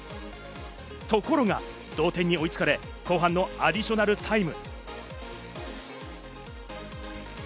ところが、同点に追いつかれ、後半のアディショナルタイム。